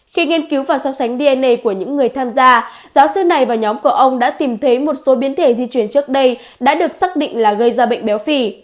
khi nghiên cứu và so sánh dna của những người tham gia giáo sư này và nhóm của ông đã tìm thấy một số biến thể di chuyển trước đây đã được xác định là gây ra bệnh béo phì